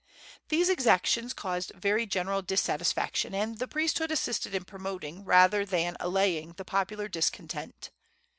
These exactions caused very general dissatisfaction, and the priesthood assisted in promoting rather than allaying the popular discontent.